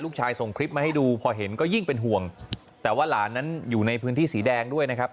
ส่งคลิปมาให้ดูพอเห็นก็ยิ่งเป็นห่วงแต่ว่าหลานนั้นอยู่ในพื้นที่สีแดงด้วยนะครับ